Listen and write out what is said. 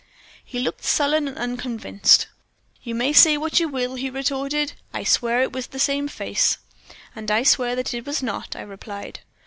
"He looked sullen and unconvinced. "'You may say what you will,' he retorted, 'I swear it was the same face.' "'And I swear that it was not,' I replied.